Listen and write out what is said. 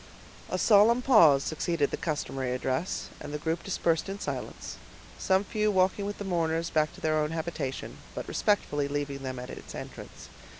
A solemn pause succeeded the customary address, and the group dispersed in silence, some few walking with the mourners back to their own habitation, but respectfully leaving them at its entrance.